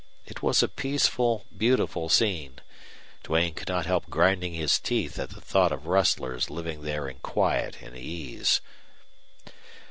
It was a peaceful, beautiful scene. Duane could not help grinding his teeth at the thought of rustlers living there in quiet and ease.